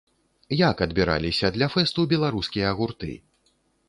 Як адбіраліся для фэсту беларускія гурты?